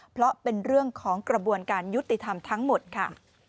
เพราะเป็นเรื่องของกระบวนการยุติธรรมทั้งหมดค่ะ